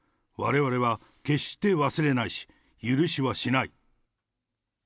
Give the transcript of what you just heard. われわれは決して忘れないし、許しはしない。